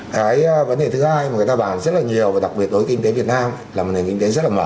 cái vấn đề thứ hai mà người ta bàn rất là nhiều và đặc biệt đối với kinh tế việt nam là một nền kinh tế rất là mở